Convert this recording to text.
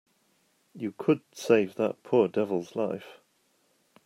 You could save that poor devil's life.